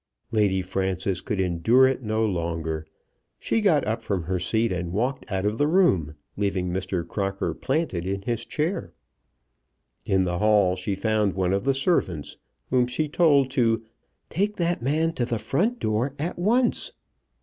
Lady Frances could endure it no longer. She got up from her seat and walked out of the room, leaving Mr. Crocker planted in his chair. In the hall she found one of the servants, whom she told to "take that man to the front door at once."